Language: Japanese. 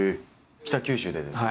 北九州でですか？